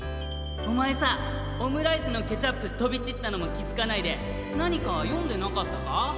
おまえさオムライスのケチャップとびちったのもきづかないでなにかよんでなかったか？